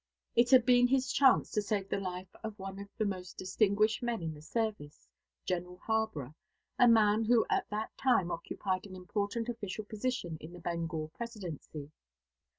It had been his chance to save the life of one of the most distinguished men in the service, General Harborough, a man who at that time occupied an important official position in the Bengal Presidency.